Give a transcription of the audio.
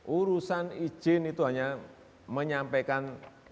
urusan izin itu hanya menyampaikan